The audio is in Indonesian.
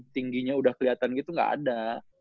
tingginya udah kelihatan gitu gak ada